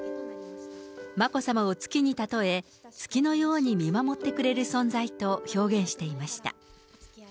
眞子さまを月に例え、月のように見守ってくれる存在と表現していました。